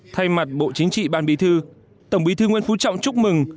thay mặt bộ chính trị ban bí thư tổng bí thư nguyễn phú trọng chúc mừng